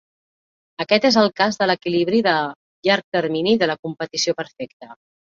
Aquest és el cas de l"equilibri de llarg termini de la competició perfecta.